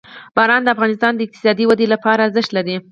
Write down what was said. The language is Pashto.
باران د افغانستان د اقتصادي ودې لپاره ارزښت لري.